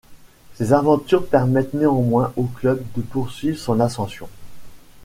Ces aventures permettent néanmoins au club de poursuivre son ascension.